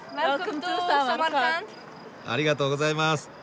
ありがとうございます。